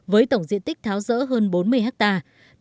với tổng diện tích tháo rỡ hơn bốn mươi hectare